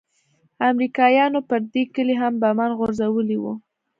امريکايانو پر دې کلي هم بمان غورځولي وو.